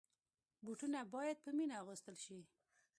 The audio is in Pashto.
بوټونه باید په مینه اغوستل شي.